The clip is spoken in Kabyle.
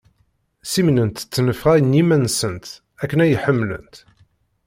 Ssimnent ttnefxa n yiman-nsent, akken ay ḥemmlent.